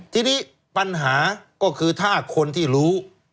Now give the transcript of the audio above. ทีนี้ปัญหาก็คือถ้าคนที่รู้